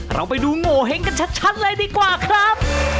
เราไปดูโงเห้งกันชัดเลยดีกว่าครับ